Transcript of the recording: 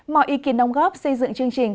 mọi ý kiến đóng góp xây dựng chương trình